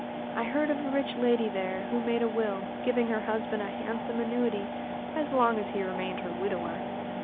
I heard of a rich lady, there, who made a will, giving her husband a handsome annuity as long as he remained her widower.